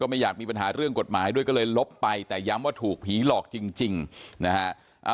ไม่อยากมีปัญหาเรื่องกฎหมายด้วยก็เลยลบไปแต่ย้ำว่าถูกผีหลอกจริงนะฮะ